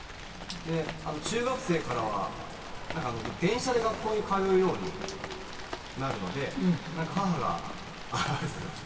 中学生からは電車で学校に通うようになるのでなんか母があっありがとうございます。